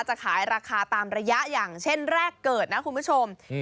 จะขายราคาตามระยะอย่างเช่นแรกเกิดนะคุณผู้ชม